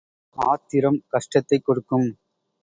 ஆத்திரம் கஷ்டத்தைக் கொடுக்கும்.